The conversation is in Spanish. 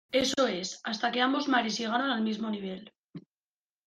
eso es, hasta que ambos mares llegaron al mismo nivel.